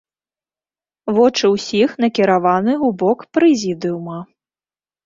Вочы ўсіх накіраваны ў бок прэзідыума.